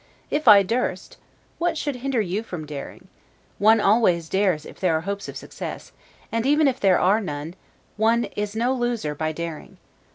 If I durst! what should hinder you from daring? One always dares if there are hopes of success; and even if there are none, one is no loser by daring.